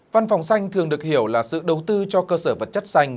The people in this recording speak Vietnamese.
văn phòng xanh thường được hiểu là sự đầu tư cho cơ sở vật chất xanh